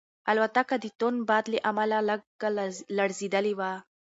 الوتکه د توند باد له امله لږه لړزېدلې وه.